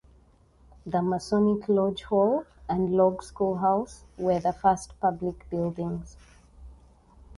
The Masonic lodge hall and a log schoolhouse were the first public buildings.